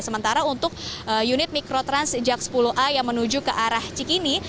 sementara untuk unit mikrotrans jak sepuluh a yang menuju ke arah cikini